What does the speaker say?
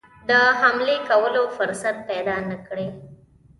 د حملې کولو فرصت پیدا نه کړي.